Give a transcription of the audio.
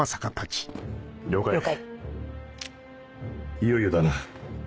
いよいよだな。